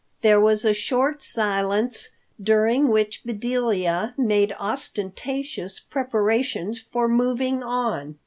There was a short silence, during which Bedelia made ostentatious preparations for moving on.